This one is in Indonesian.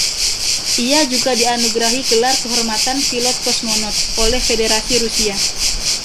Ia juga dianugerahi gelar kehormatan Pilot-Kosmonot oleh Federasi Rusia.